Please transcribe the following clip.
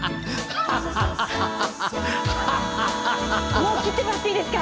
もう切ってもらっていいですか？